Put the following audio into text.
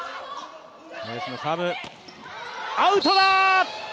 アウトだ！